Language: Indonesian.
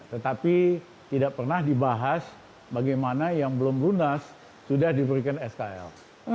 tetapi tidak pernah dibahas bagaimana yang belum lunas sudah diberikan skl